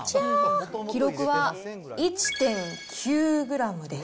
記録は１．９グラムです。